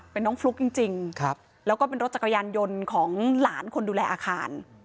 เป็นน้องฟลุ๊กจริงแล้วก็เป็นรถจักรยานยนต์ของหลานคนดูแลอาคาร